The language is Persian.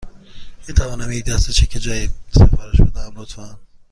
می تونم یک دسته چک جدید سفارش بدهم، لطفاً؟